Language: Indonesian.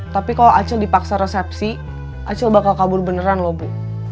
tapi kalau acel dipaksa resepsi aceh bakal kabur beneran loh bu